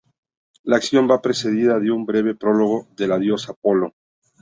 La acción va precedida de un breve prólogo del dios Apolo.